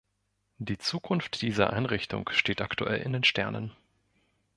Die Zukunft dieser Einrichtung steht aktuell in den Sternen.